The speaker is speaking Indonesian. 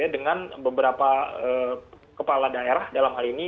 dengan beberapa kepala daerah dalam hal ini